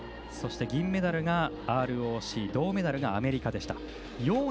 そして、銀メダルがＲＯＣ銅メダルがアメリカでした。